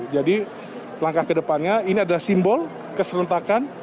jadi langkah kedepannya ini adalah simbol keserentakan